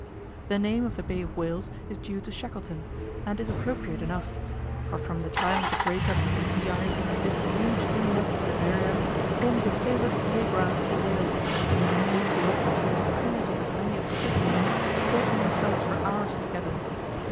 The name of the Bay of Whales is due to Shackleton, and is appropriate enough; for from the time of the break up of the sea ice this huge inlet in the Barrier forms a favourite playground for whales, of which we often saw schools of as many as fifty disporting themselves for hours together.